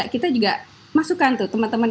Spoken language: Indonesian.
kita juga masukkan tuh teman teman